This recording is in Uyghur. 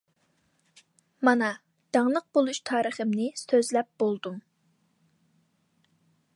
مانا داڭلىق بولۇش تارىخىمنى سۆزلەپ بولدۇم.